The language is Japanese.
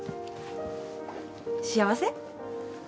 幸せ？